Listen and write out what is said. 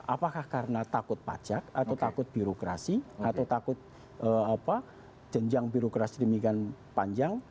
apakah karena takut pajak atau takut birokrasi atau takut jenjang birokrasi demikian panjang